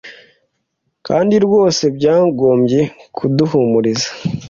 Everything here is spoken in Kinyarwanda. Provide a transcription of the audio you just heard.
kandi rwose byagombye kuduhumuriza